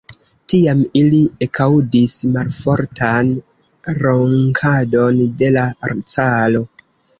Tiam ili ekaŭdis malfortan ronkadon de la caro.